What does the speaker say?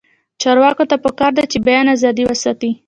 چارواکو ته پکار ده چې، بیان ازادي وساتي.